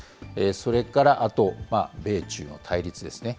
それからあと、米中の対立ですね。